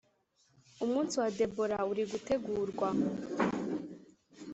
umunsi wa debora uri gutegurwa